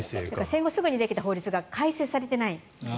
戦後すぐにできた法律が改正されていないんです。